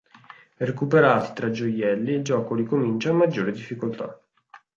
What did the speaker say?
Recuperati tre gioielli il gioco ricomincia a maggiore difficoltà.